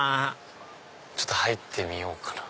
ちょっと入ってみようかな。